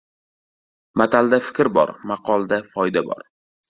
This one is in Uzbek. • Matalda fikr bor, maqolda foyda bor.